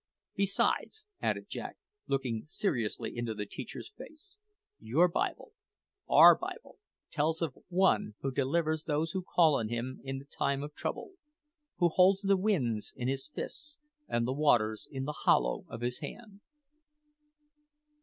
Besides," added Jack, looking seriously into the teacher's face, "your Bible our Bible tells of ONE who delivers those who call on Him in the time of trouble; who holds the winds in His fists, and the waters in the hollow of His hand."